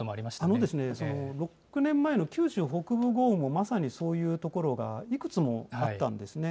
あのですね、６年前の九州北部豪雨もまさにそういう所がいくつもあったんですね。